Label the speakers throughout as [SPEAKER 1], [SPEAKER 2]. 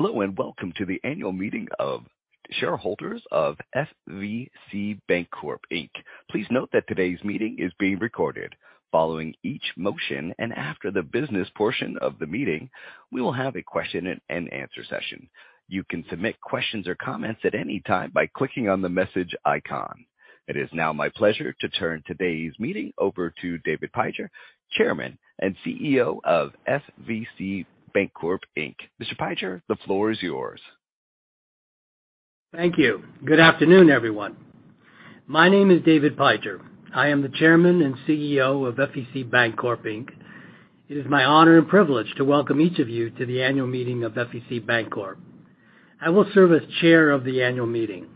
[SPEAKER 1] Hello, welcome to the annual meeting of shareholders of FVCBankcorp, Inc. Please note that today's meeting is being recorded. Following each motion and after the business portion of the meeting, we will have a question and answer session. You can submit questions or comments at any time by clicking on the message icon. It is now my pleasure to turn today's meeting over to David Pijor, Chairman and CEO of FVCBankcorp, Inc. Mr. Pijor, the floor is yours.
[SPEAKER 2] Thank you. Good afternoon, everyone. My name is David Pijor. I am the Chairman and CEO of FVCBankcorp, Inc. It is my honor and privilege to welcome each of you to the annual meeting of FVCBankcorp. I will serve as chair of the annual meeting.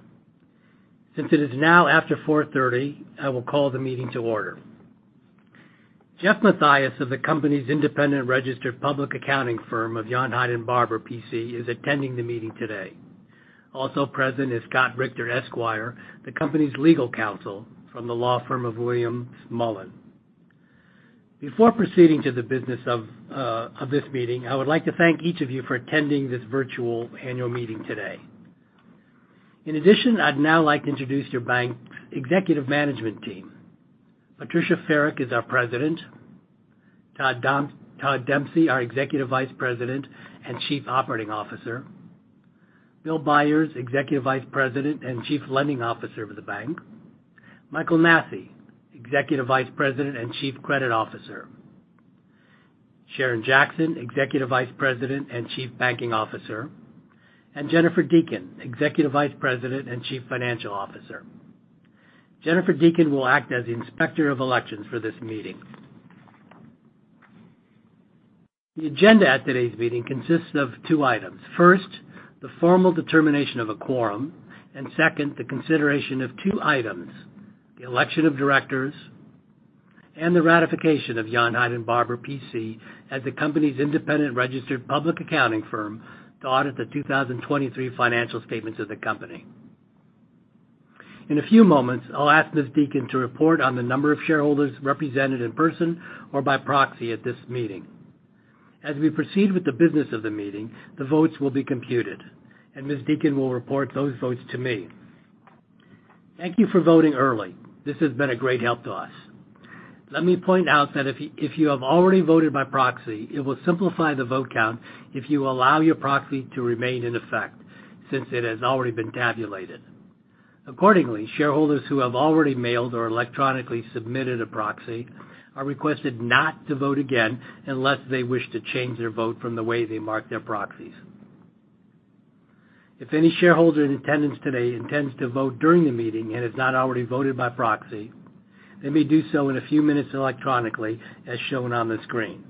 [SPEAKER 2] Since it is now after 4:30, I will call the meeting to order. Jeff Mathias of the company's independent registered public accounting firm of Yount, Hyde & Barbour, P.C. is attending the meeting today. Also present is Scott Richter, Esquire, the company's legal counsel from the law firm of Williams Mullen. Before proceeding to the business of this meeting, I would like to thank each of you for attending this virtual annual meeting today. I'd now like to introduce your bank executive management team. Patricia Ferrick is our President. Todd Dempsey, our Executive Vice President and Chief Operating Officer. Bill Byers, Executive Vice President and Chief Lending Officer of the bank. Michael Nassy, Executive Vice President and Chief Credit Officer. Sharon Jackson, Executive Vice President and Chief Banking Officer, and Jennifer Deacon, Executive Vice President and Chief Financial Officer. Jennifer Deacon will act as the inspector of elections for this meeting. The agenda at today's meeting consists of two items. First, the formal determination of a quorum. Second, the consideration of two items, the election of directors and the ratification of Yount, Hyde & Barbour, P.C. as the company's independent registered public accounting firm to audit the 2023 financial statements of the company. In a few moments, I'll ask Ms. Deacon to report on the number of shareholders represented in person or by proxy at this meeting. As we proceed with the business of the meeting, the votes will be computed, and Ms. Deacon will report those votes to me. Thank you for voting early. This has been a great help to us. Let me point out that if you have already voted by proxy, it will simplify the vote count if you allow your proxy to remain in effect since it has already been tabulated. Accordingly, shareholders who have already mailed or electronically submitted a proxy are requested not to vote again unless they wish to change their vote from the way they marked their proxies. If any shareholder in attendance today intends to vote during the meeting and has not already voted by proxy, they may do so in a few minutes electronically, as shown on the screen.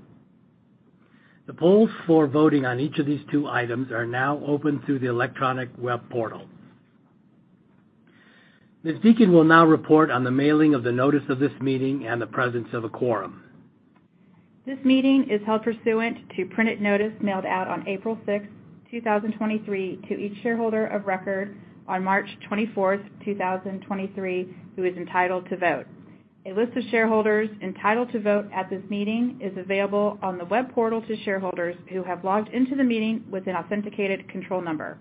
[SPEAKER 2] The polls for voting on each of these two items are now open through the electronic web portal. Ms. Deacon will now report on the mailing of the notice of this meeting and the presence of a quorum.
[SPEAKER 3] This meeting is held pursuant to printed notice mailed out on April 6, 2023 to each shareholder of record on March 24, 2023 who is entitled to vote. A list of shareholders entitled to vote at this meeting is available on the web portal to shareholders who have logged into the meeting with an authenticated control number.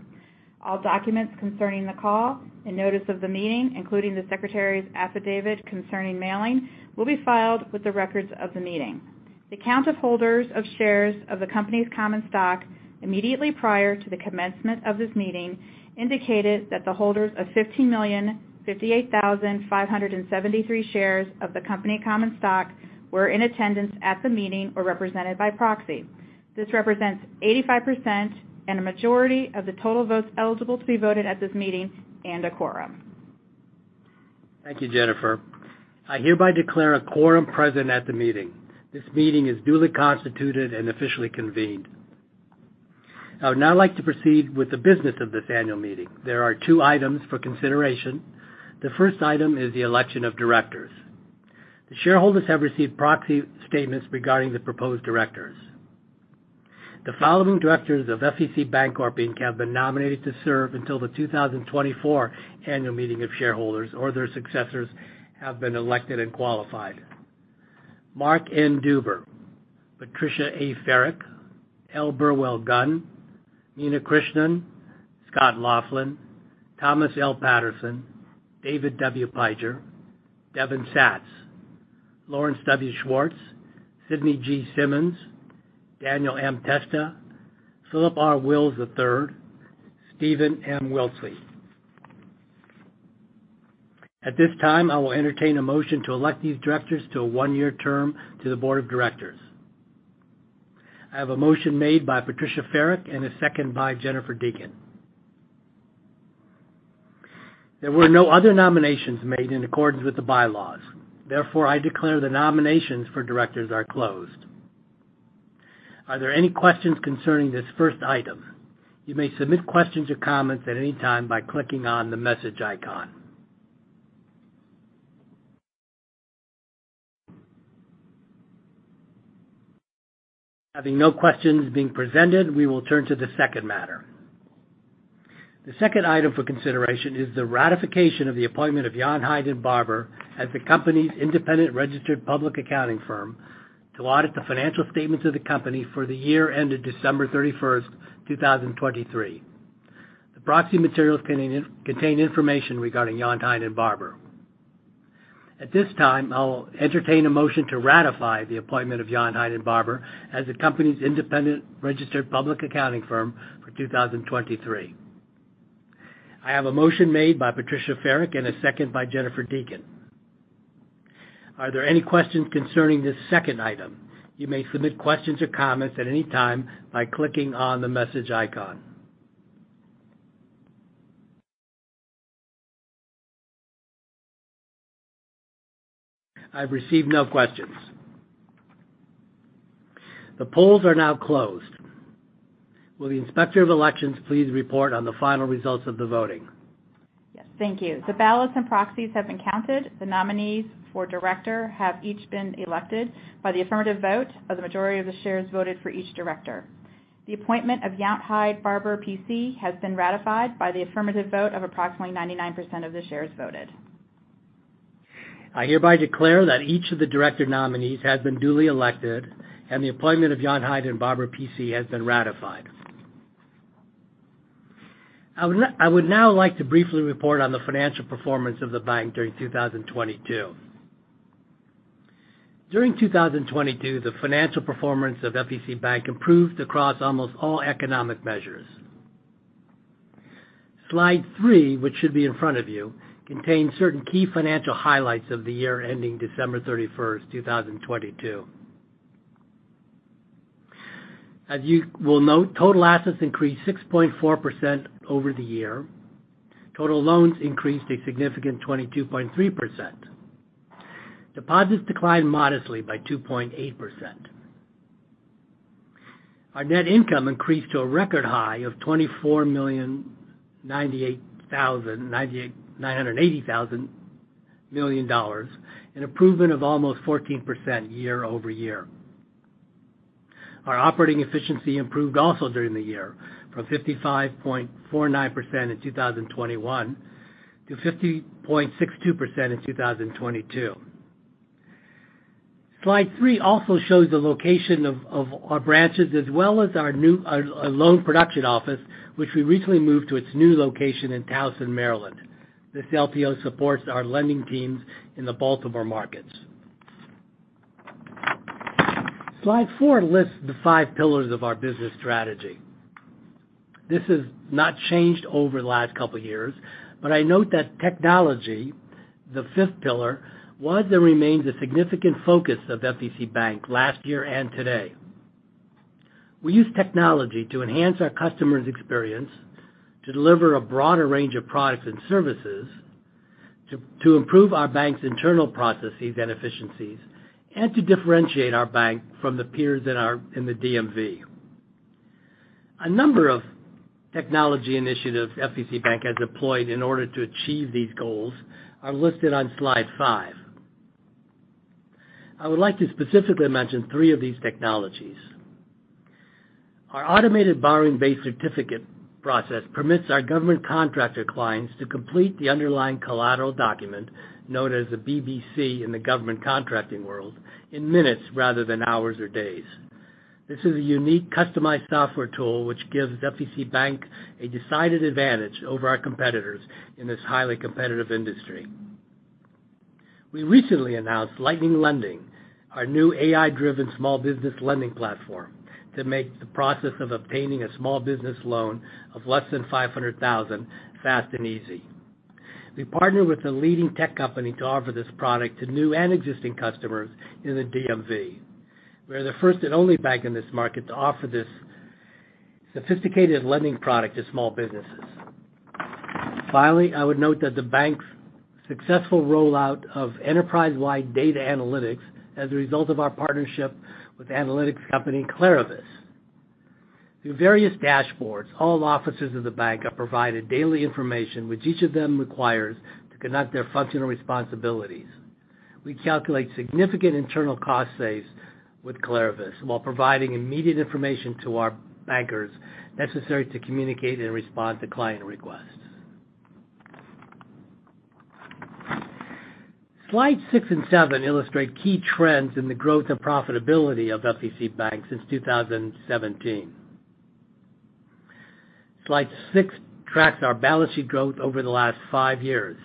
[SPEAKER 3] All documents concerning the call and notice of the meeting, including the secretary's affidavit concerning mailing, will be filed with the records of the meeting. The count of holders of shares of the company's common stock immediately prior to the commencement of this meeting indicated that the holders of 15,058,573 shares of the company common stock were in attendance at the meeting or represented by proxy. This represents 85% and a majority of the total votes eligible to be voted at this meeting and a quorum.
[SPEAKER 2] Thank you, Jennifer. I hereby declare a quorum present at the meeting. This meeting is duly constituted and officially convened. I would now like to proceed with the business of this annual meeting. There are 2 items for consideration. The first item is the election of directors. The shareholders have received proxy statements regarding the proposed directors. The following directors of FVCBankcorp, Inc. have been nominated to serve until the 2024 annual meeting of shareholders or their successors have been elected and qualified. Marc N. Duber, Patricia A. Ferrick, L. Burwell Gunn, Meena Krishnan, Scott Laughlin, Thomas L. Patterson, David W. Pijor, Devin Satz, Lawrence W. Schwartz, Sidney G. Simmonds, Daniel M. Testa, Philip R. Wills III, Steven M. Wiltse. At this time, I will entertain a motion to elect these directors to a 1-year term to the board of directors. I have a motion made by Patricia Ferrick and a second by Jennifer Deacon. There were no other nominations made in accordance with the bylaws. Therefore, I declare the nominations for directors are closed. Are there any questions concerning this first item? You may submit questions or comments at any time by clicking on the message icon. Having no questions being presented, we will turn to the second matter. The second item for consideration is the ratification of the appointment of Yount, Hyde & Barbour as the company's independent registered public accounting firm to audit the financial statements of the company for the year ended December 31st, 2023. The proxy materials contain information regarding Yount, Hyde & Barbour. At this time, I'll entertain a motion to ratify the appointment of Yount, Hyde & Barbour as the company's independent registered public accounting firm for 2023. I have a motion made by Patricia Ferrick and a second by Jennifer Deacon. Are there any questions concerning this second item? You may submit questions or comments at any time by clicking on the message icon. I've received no questions. The polls are now closed. Will the Inspector of Elections please report on the final results of the voting?
[SPEAKER 3] Yes, thank you. The ballots and proxies have been counted. The nominees for director have each been elected by the affirmative vote of the majority of the shares voted for each director. The appointment of Yount, Hyde & Barbour, P.C. has been ratified by the affirmative vote of approximately 99% of the shares voted.
[SPEAKER 2] I hereby declare that each of the director nominees has been duly elected and the appointment of Yount, Hyde & Barbour, P.C. has been ratified. I would now like to briefly report on the financial performance of the bank during 2022. During 2022, the financial performance of FVCbank improved across almost all economic measures. Slide 3, which should be in front of you, contains certain key financial highlights of the year ending December 31st, 2022. As you will note, total assets increased 6.4% over the year. Total loans increased a significant 22.3%. Deposits declined modestly by 2.8%. Our net income increased to a record high of $24,980,000,000,000, an improvement of almost 14% year-over-year. Our operating efficiency improved also during the year from 55.49% in 2021 to 50.62% in 2022. Slide three also shows the location of our branches as well as our new loan production office, which we recently moved to its new location in Towson, Maryland. This LPO supports our lending teams in the Baltimore markets. Slide four lists the five pillars of our business strategy. This has not changed over the last couple of years, but I note that technology, the fifth pillar, was and remains a significant focus of FVCbank last year and today. We use technology to enhance our customers' experience, to deliver a broader range of products and services, to improve our bank's internal processes and efficiencies, and to differentiate our bank from the peers in the DMV. A number of technology initiatives FVCbank has deployed in order to achieve these goals are listed on slide five. I would like to specifically mention three of these technologies. Our automated borrowing base certificate process permits our government contractor clients to complete the underlying collateral document known as the BBC in the government contracting world in minutes rather than hours or days. This is a unique customized software tool which gives FVCbank a decided advantage over our competitors in this highly competitive industry. We recently announced Lightning Lending, our new AI-driven small business lending platform to make the process of obtaining a small business loan of less than $500,000 fast and easy. We partnered with a leading tech company to offer this product to new and existing customers in the DMV. We are the first and only bank in this market to offer this sophisticated lending product to small businesses. Finally, I would note that the bank's successful rollout of enterprise-wide data analytics as a result of our partnership with analytics company KlariVis. Through various dashboards, all offices of the bank are provided daily information which each of them requires to conduct their functional responsibilities. We calculate significant internal cost saves with KlariVis while providing immediate information to our bankers necessary to communicate and respond to client requests. Slide six and seven illustrate key trends in the growth and profitability of FVCbank since 2017. Slide six tracks our balance sheet growth over the last five years.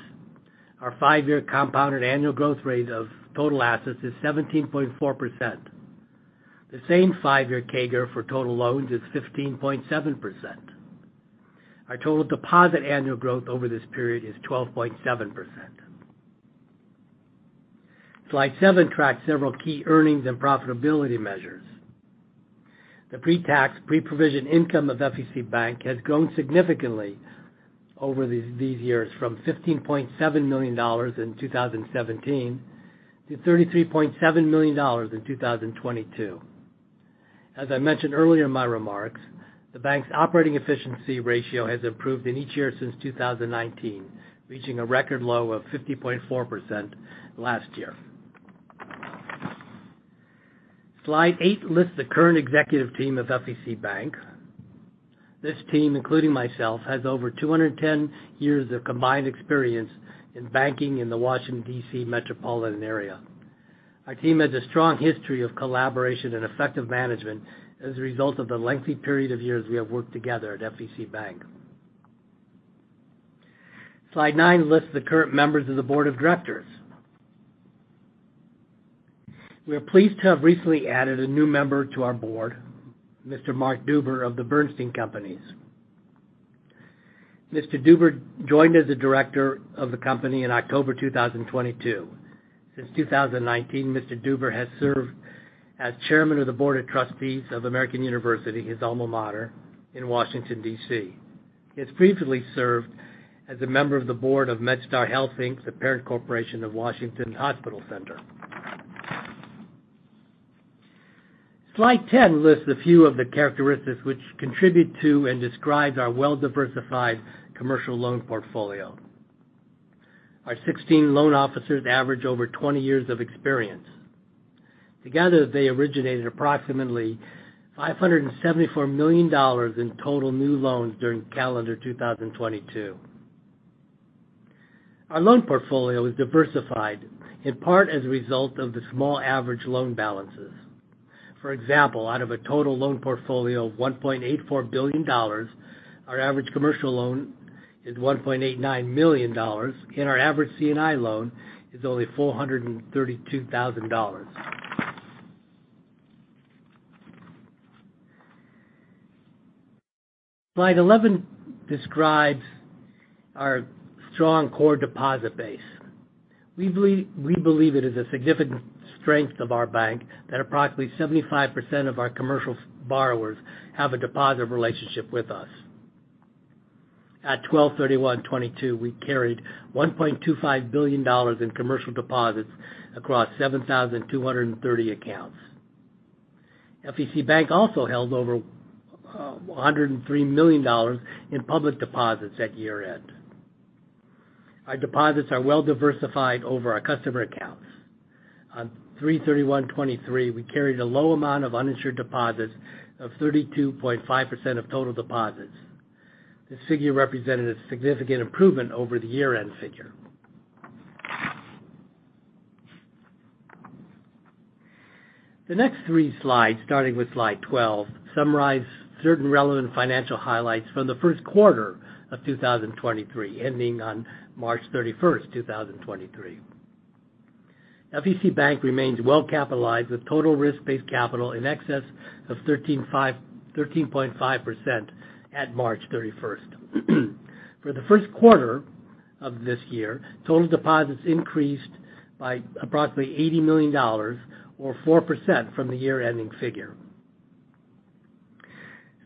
[SPEAKER 2] Our 5-year compounded annual growth rate of total assets is 17.4%. The same 5-year CAGR for total loans is 15.7%. Our total deposit annual growth over this period is 12.7%. Slide seven tracks several key earnings and profitability measures. The pre-tax, pre-provision income of FVCbank has grown significantly over these years from $15.7 million in 2017 to $33.7 million in 2022. As I mentioned earlier in my remarks, the bank's operating efficiency ratio has improved in each year since 2019, reaching a record low of 50.4% last year. Slide eight lists the current executive team of FVCbank. This team, including myself, has over 210 years of combined experience in banking in the Washington, D.C. metropolitan area. Our team has a strong history of collaboration and effective management as a result of the lengthy period of years we have worked together at FVCbank. Slide nine lists the current members of the board of directors. We are pleased to have recently added a new member to our board, Mr. Marc N. Duber of The Bernstein Companies. Mr. Duber joined as a director of the company in October 2022. Since 2019, Mr. Duber has served as Chairman of the Board of Trustees of American University, his alma mater in Washington, D.C. He has previously served as a member of the board of MedStar Health, Inc., the parent corporation of MedStar Washington Hospital Center. Slide 10 lists a few of the characteristics which contribute to and describes our well-diversified commercial loan portfolio. Our 16 loan officers average over 20 years of experience. Together, they originated approximately $574 million in total new loans during calendar 2022. Our loan portfolio is diversified, in part as a result of the small average loan balances. For example, out of a total loan portfolio of $1.84 billion, our average commercial loan is $1.89 million, and our average C&I loan is only $432,000. Slide 11 describes our strong core deposit base. We believe it is a significant strength of our bank that approximately 75% of our commercial borrowers have a deposit relationship with us. At 12/31/2022, we carried $1.25 billion in commercial deposits across 7,230 accounts. FVCbank also held over $103 million in public deposits at year-end. Our deposits are well diversified over our customer accounts. On 3/31/2023, we carried a low amount of uninsured deposits of 32.5% of total deposits. This figure represented a significant improvement over the year-end figure. The next three slides, starting with slide 12, summarize certain relevant financial highlights from the first quarter of 2023, ending on March 31st, 2023. FVCbank remains well capitalized with total risk-based capital in excess of 13.5% at March 31st. For the first quarter of this year, total deposits increased by approximately $80 million or 4% from the year-ending figure.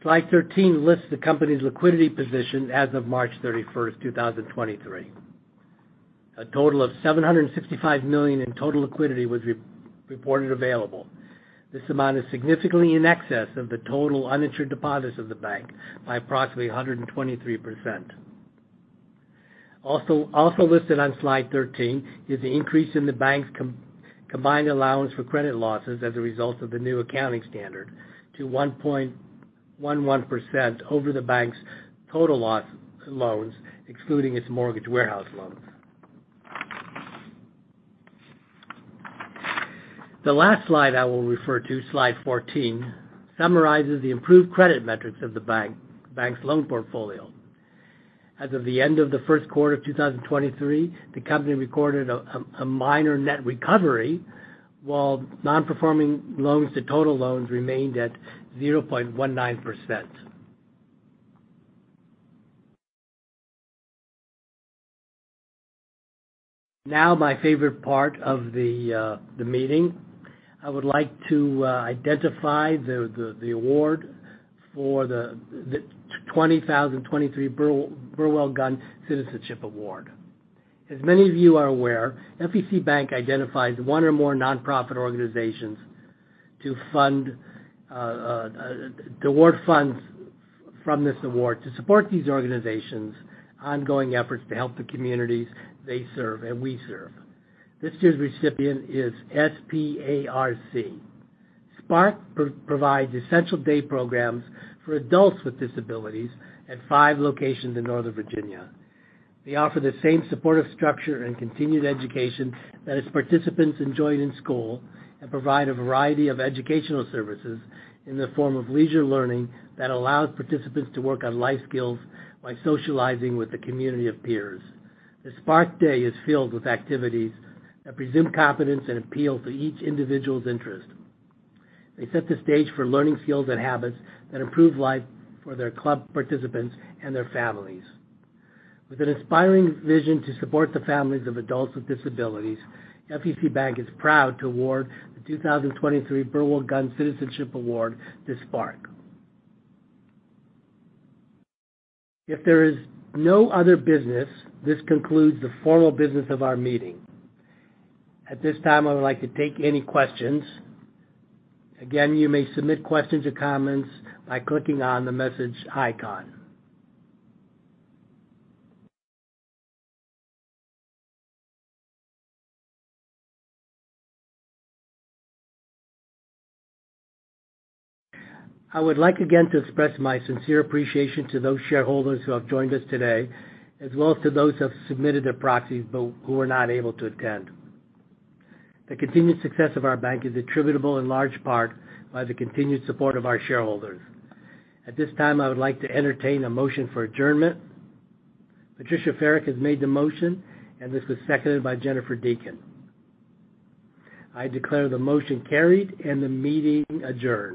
[SPEAKER 2] Slide 13 lists the company's liquidity position as of March 31st, 2023. A total of $765 million in total liquidity was re-reported available. This amount is significantly in excess of the total uninsured deposits of the bank by approximately 123%. Also, listed on slide 13 is the increase in the bank's combined allowance for credit losses as a result of the new accounting standard to 1.11% over the bank's total loans, excluding its mortgage warehouse loans. The last slide I will refer to, slide 14, summarizes the improved credit metrics of the bank's loan portfolio. As of the end of the first quarter of 2023, the company recorded a minor net recovery, while non-performing loans to total loans remained at 0.19%. Now my favorite part of the meeting. I would like to identify the award for the 2023 Burwell Gunn Citizenship Award. As many of you are aware, FVCbank identifies one or more nonprofit organizations to fund the award funds from this award to support these organizations' ongoing efforts to help the communities they serve and we serve. This year's recipient is S-P-A-R-C. SPARC provides essential day programs for adults with disabilities at five locations in Northern Virginia. They offer the same supportive structure and continued education that its participants enjoyed in school and provide a variety of educational services in the form of leisure learning that allows participants to work on life skills by socializing with a community of peers. The SPARC day is filled with activities that presume competence and appeal to each individual's interest. They set the stage for learning skills and habits that improve life for their club participants and their families. With an inspiring vision to support the families of adults with disabilities, FVCbank is proud to award the 2023 L. Burwell Gunn Citizenship Award to SPARC. If there is no other business, this concludes the formal business of our meeting. At this time, I would like to take any questions. Again, you may submit questions or comments by clicking on the message icon. I would like again to express my sincere appreciation to those shareholders who have joined us today, as well as to those who have submitted their proxies but who were not able to attend. The continued success of our bank is attributable in large part by the continued support of our shareholders. At this time, I would like to entertain a motion for adjournment. Patricia Ferrick has made the motion, and this was seconded by Jennifer Deacon. I declare the motion carried and the meeting adjourned.